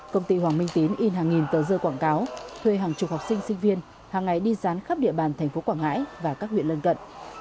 công ty hoàng minh tín in hàng nghìn tờ rơi quảng cáo thuê hàng chục học sinh sinh viên hàng ngày đi gián khắp địa bàn tp quảng ngãi và các huyện lân cận